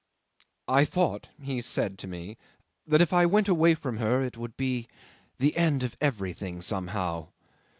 "I thought," he said to me, "that if I went away from her it would be the end of everything somehow."